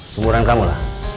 sumuran kamu lah